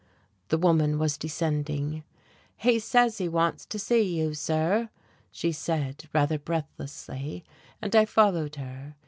The woman was descending. "He says he wants to see you, sir," she said rather breathlessly, and I followed her.